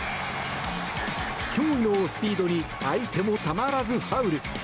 驚異のスピードに相手もたまらずファウル。